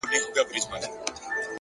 خپل کار په غوره ډول ترسره کړئ.!